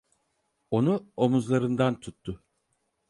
Onu omuzlarından tuttu.